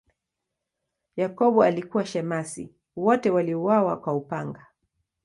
Yakobo alikuwa shemasi, wote waliuawa kwa upanga.